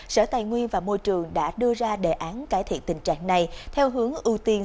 sở tài nguyên và môi trường đã đưa ra đề án cải thiện tình trạng này theo hướng ưu tiên